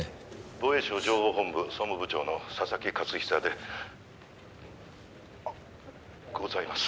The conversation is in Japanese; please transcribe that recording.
「防衛省情報本部総務部長の佐々木勝久でございます」